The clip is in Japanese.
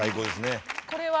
これは？